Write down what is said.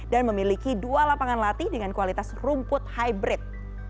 dan memiliki dua lapangan latih dengan kualitas rumput hybrid